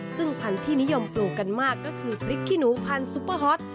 ซึ่งพันธุ์ที่นิยมปลูกกันมากก็คือพริกขี้หนูพันธุเปอร์ฮอต